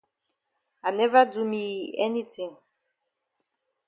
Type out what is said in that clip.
I never do me yi anytin.